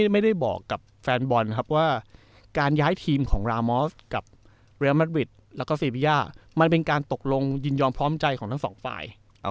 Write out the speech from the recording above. ไม่ได้บอกกับแฟนบอลครับว่าการย้ายทีมของรามอสกับเรียลมัดวิดแล้วก็เซบีย่ามันเป็นการตกลงยินยอมพร้อมใจของทั้งสองฝ่าย